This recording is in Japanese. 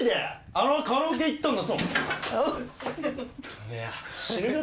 あのあとカラオケ行ったんだ。